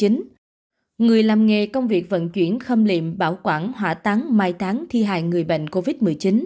người làm nghề công việc vận chuyển khâm liệm bảo quản hỏa tán mai tán thi hại người bệnh covid một mươi chín